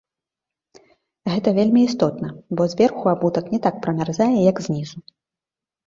Гэта вельмі істотна, бо зверху абутак не так прамярзае, як знізу.